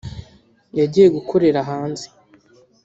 yagiye gukorera hanze